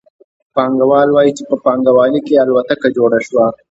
پانګوال وايي چې په پانګوالي کې الوتکه جوړه شوه